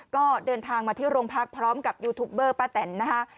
ก็เดินทางมาที่โรงพักพร้อมกับยูทูปเบอร์ป้าแตนนะคะ